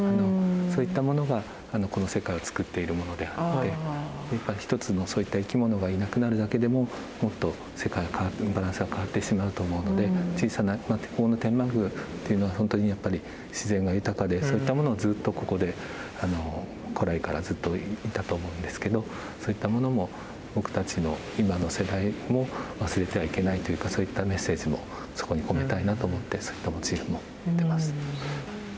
そういったものがこの世界を作っているものであって一つのそういった生きものがいなくなるだけでももっと世界のバランスが変わってしまうと思うので小さなここの天満宮っていうのは本当にやっぱり自然が豊かでそういったものをずっとここで古来からずっといたと思うんですけどそういったものも僕たちの今の世代も忘れてはいけないというかそういったメッセージもそこに込めたいなと思ってそういったモチーフも入れてます。